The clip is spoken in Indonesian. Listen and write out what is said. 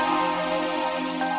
gita banget saudara kata